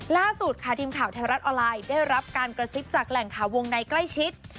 ล่าสุดค่ะทีมข่าวไทยรัฐออนไลน์ได้รับการกระซิบจากแหล่งข่าววงในใกล้ชิด